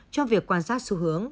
trong việc quan sát xu hướng